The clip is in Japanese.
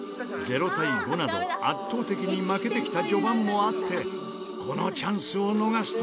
０対５など圧倒的に負けてきた序盤もあって。